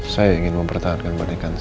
saya ingin mempertahankan pendekaan saya